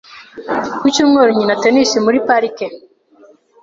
Ku cyumweru, nkina tennis muri parike .